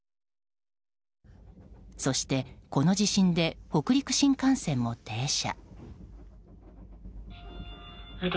そして、この地震で北陸新幹線も停車。